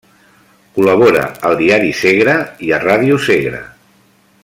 Col·labora al Diari Segre i a Ràdio Segre.